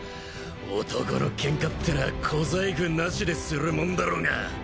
男のケンカってのは小細工なしでするもんだろうが！